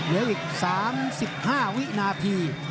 เสียสิบพาหวินาพี